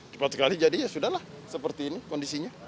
cepat sekali jadi ya sudah lah seperti ini kondisinya